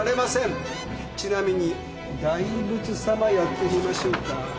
ちなみに「大仏様」やってみましょうか？